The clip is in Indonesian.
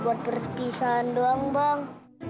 buat perpisahan doang bang